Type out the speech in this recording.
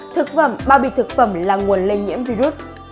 thực phẩm bao bì thực phẩm là nguồn lây nhiễm virus